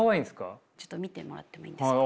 ちょっと見てもらってもいいですか。